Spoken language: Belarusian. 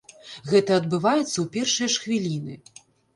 Гэта адбываецца ў першыя ж хвіліны.